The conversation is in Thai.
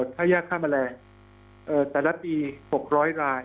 ถ้ายากฆ่าแมลงแต่ละปี๖๐๐ราย